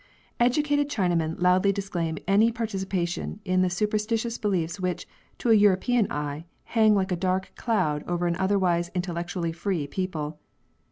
Educated Chinamen loudly disclaim any participation in the superstitious beliefs which, to a European eye, hang like a dark cloud over an otherwise intellectually free people.